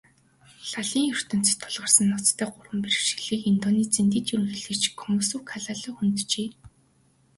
Лалын ертөнцөд тулгарсан ноцтой гурван бэрхшээлийг Индонезийн дэд ерөнхийлөгч Юсуф Калла хөнджээ.